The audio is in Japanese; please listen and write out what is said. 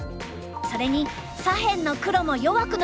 それに左辺の黒も弱くなるんだ。